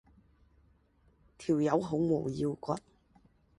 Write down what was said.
條友好冇腰骨